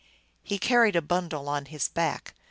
He carried a bundle on his back.